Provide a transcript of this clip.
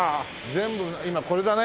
全部今これだね？